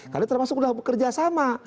karena termasuk sudah bekerja sama